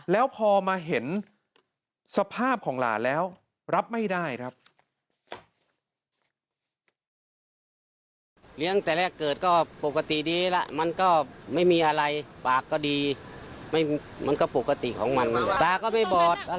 แล้วพอมาเห็นสภาพของหลานแล้วรับไม่ได้ครับ